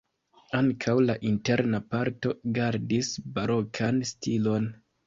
Ankaŭ la interna parto gardis barokan stilon.